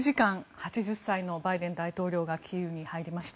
８０歳のバイデン大統領がキーウに入りました。